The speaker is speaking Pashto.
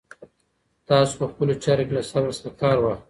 تاسو په خپلو چارو کې له صبر څخه کار واخلئ.